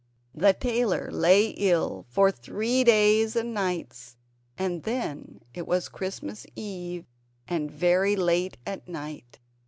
The tailor lay ill for three days and nights; and then it was Christmas Eve, and very late at night.